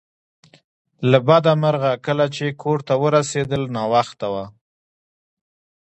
له بده مرغه کله چې کور ته ورسیدل ناوخته و